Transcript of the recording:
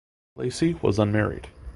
Lacey was unmarried.